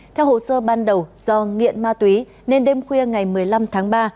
theo hồ sơ ban đầu do nghiện ma túy nên đêm khuya ngày một mươi năm tháng ba